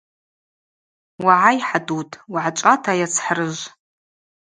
Угӏай, Хӏатӏутӏ, угӏачӏвата, йацхӏрыжв.